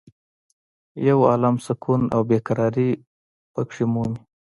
یو عالم سکون او بې قرارې په کې مومې.